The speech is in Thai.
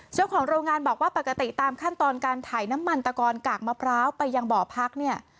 เจ้าของโรงงานบอกว่าปกติตามขั้นตอนการถ่ายน้ำมันตะกอนกากมะพร้าวไปยังบ่อพักเนี่ย